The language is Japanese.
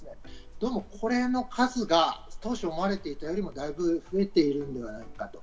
どうもこの数が当初、思われていたよりもだいぶ出ているのではないか。